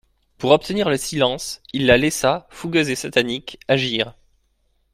Pour obtenir le silence, il la laissa, fougueuse et satanique, agir.